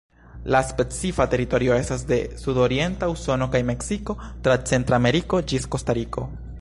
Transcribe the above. La specifa teritorio estas de sudorienta Usono kaj Meksiko tra Centrameriko ĝis Kostariko.